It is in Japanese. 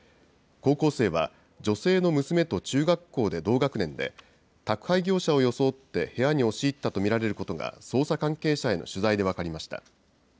高校生は、女性の娘と中学校で同学年で、宅配業者を装って部屋に押し入ったと見られることが、捜査関係者への取材で分かりました。